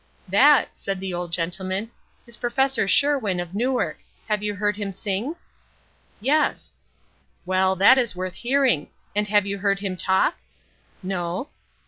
"That," said the old gentleman, "is Prof. Sherwin, of Newark. Have you heard him sing?" "Yes." "Well, that is worth hearing; and have you heard him talk?" "No."